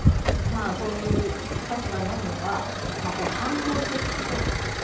そういう立場になるのが反抗していた長女だったという。